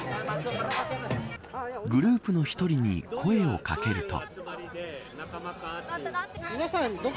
グループの１人に声を掛けると。